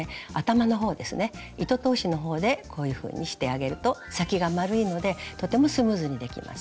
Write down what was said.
糸通しのほうでこういうふうにしてあげると先が丸いのでとてもスムーズにできます。